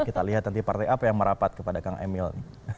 kita lihat nanti partai apa yang merapat kepada kang emil